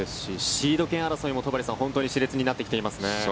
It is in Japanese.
シード権争いも本当に熾烈になってきていますね。